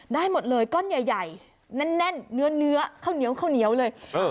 ได้หมดเลยก้อนใหญ่ใหญ่แน่นแน่นเนื้อเนื้อข้าวเนี้ยวข้าวเนี้ยวเลยเออ